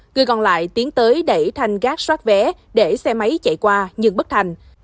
người còn lại tiến tới đẩy thanh gác xoát vé để xe máy chạy qua nhưng bất thành